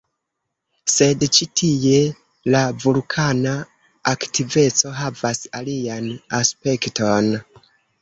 Sed ĉi tie la vulkana aktiveco havas alian aspekton.